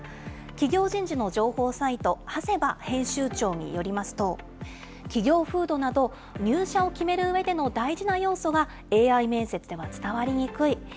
企業人事の情報サイト、長谷波編集長によりますと、企業風土など入社を決めるうえでの大事な要素は、ＡＩ面接では伝わりにくい。